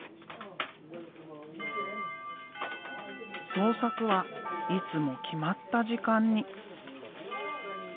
創作はいつも決まった時間に。